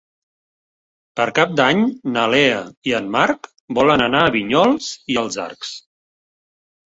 Per Cap d'Any na Lea i en Marc volen anar a Vinyols i els Arcs.